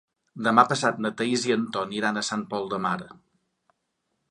Demà passat na Thaís i en Ton iran a Sant Pol de Mar.